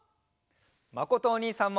まことおにいさんも！